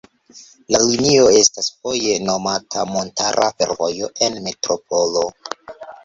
La linio estas foje nomata Montara Fervojo en Metropolo.